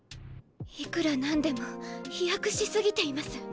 いくら何でも飛躍し過ぎています。